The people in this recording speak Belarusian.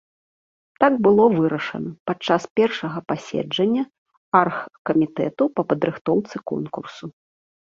Так было вырашана падчас першага паседжання аргкамітэту па падрыхтоўцы конкурсу.